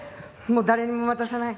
もう誰にも渡さない。